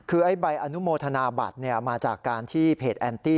คือใบอนุโมทนาบัตรมาจากการที่เพจแอนตี้